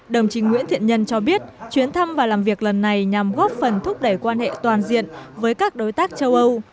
đồng chí nguyễn thiện nhân cho biết chuyến thăm và làm việc lần này nhằm góp phần thúc đẩy quan hệ toàn diện với các đối tác châu âu